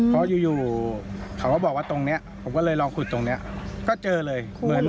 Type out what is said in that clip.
เพราะอยู่เขาก็บอกว่าตรงนี้ผมก็เลยลองขุดตรงนี้ก็เจอเลยเหมือน